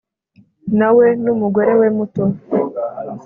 Nawe n umugore we muto